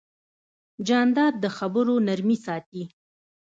جانداد د خبرو نرمي ساتي.